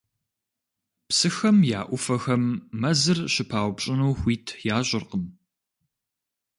Псыхэм я Ӏуфэхэм мэзыр щыпаупщӀыну хуит ящӀыркъым.